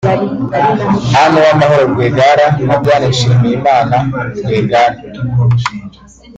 Anne Uwamahoro Rwigara na Diane Nshimiyimana Rwigara